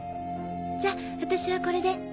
じゃ私はこれで。